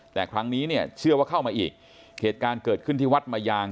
แต่ครั้งนี้เนี่ยเชื่อว่าเข้ามาอีกเหตุการณ์เกิดขึ้นที่วัดมายาง